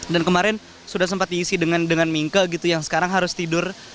dan kemarin sudah sempat diisi dengan mingke gitu yang sekarang harus tidur